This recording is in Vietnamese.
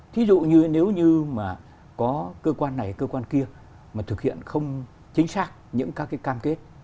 thí dụ như nếu như mà có cơ quan này cơ quan kia mà thực hiện không chính xác những các cái cam kết